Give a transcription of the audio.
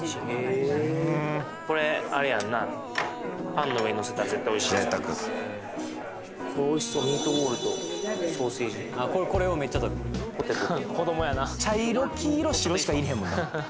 へえーこれあれやんなパンの上に載せたら絶対おいしいやつおいしそうミートボールとソーセージこれをめっちゃ取る子どもやな茶色黄色白しか入れへんもんな